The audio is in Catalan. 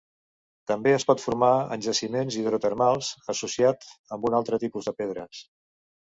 També es pot formar en jaciments hidrotermals, associat amb un altre tipus de pedres.